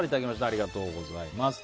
ありがとうございます。